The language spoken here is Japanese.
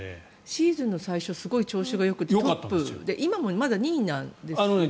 シーズンの最初調子がよくてトップで今もまだ２位なんですよね。